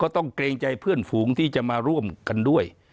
ต้องเกรงใจเพื่อนฝูงที่จะมาร่วมกันด้วย